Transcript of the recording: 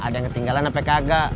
ada yang ketinggalan apa kagak